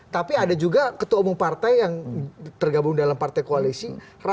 tapi ada juga ketua umum partai yang tergabung dalam partai koalisi